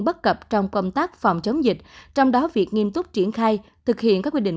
bất cập trong công tác phòng chống dịch trong đó việc nghiêm túc triển khai thực hiện các quy định